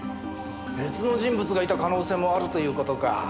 別の人物がいた可能性もあるという事か。